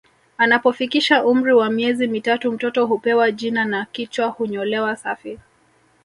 Anapofikisha umri wa miezi mitatu mtoto hupewa jina na kichwa hunyolewa safi